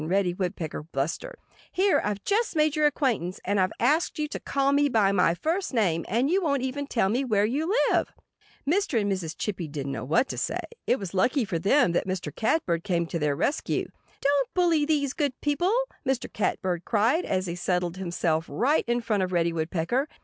Reddy Woodpecker blustered. "Here I've just made your acquaintance. And I've asked you to call me by my first name. And you won't even tell me where you live!" Mr. and Mrs. Chippy didn't know what to say. It was lucky for them that Mr. Catbird came to their rescue. "Don't bully these good people!" Mr. Catbird cried, as he settled himself right in front of Reddy Woodpecker.